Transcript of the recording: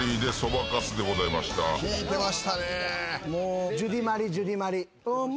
弾いてましたね。